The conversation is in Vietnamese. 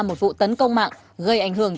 một vụ tấn công mạng gây ảnh hưởng